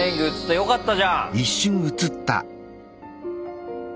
よかったじゃん！